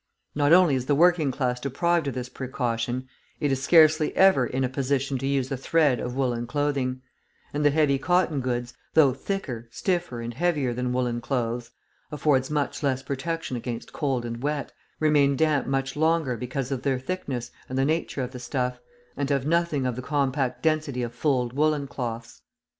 Not only is the working class deprived of this precaution, it is scarcely ever in a position to use a thread of woollen clothing; and the heavy cotton goods, though thicker, stiffer, and heavier than woollen clothes, afford much less protection against cold and wet, remain damp much longer because of their thickness and the nature of the stuff, and have nothing of the compact density of fulled woollen cloths.